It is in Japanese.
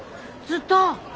ずっと！？